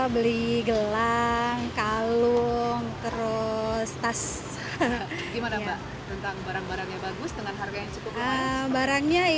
barangnya bagus kualitasnya bagus bahan bahannya bagus harganya juga sangat bersahabat dengan kantong